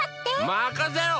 まかせろ！